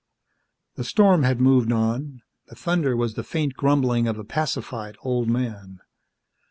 The storm had moved on; the thunder was the faint grumbling of a pacified old man.